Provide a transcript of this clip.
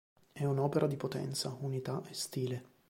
È un'opera di potenza, unità e stile".